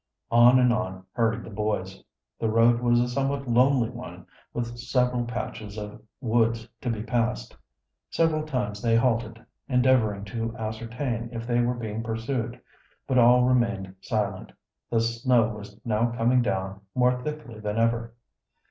On and on hurried the boys. The road was a somewhat lonely one, with several patches of woods to be passed. Several times they halted, endeavoring to ascertain if they were being pursued. But all remained silent. The snow was now coming down more thickly than ever.